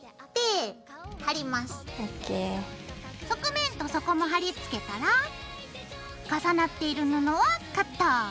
側面と底も貼り付けたら重なっている布をカット。